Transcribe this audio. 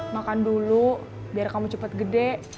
makan dulu biar kamu cepet gede